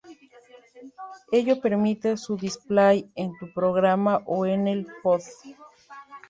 Ello permite su display en tu programa o en el iPod.